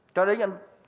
cho đến anh ta